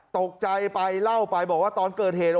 ตกใจไปเล่าไปบอกว่าตอนเกิดเหตุ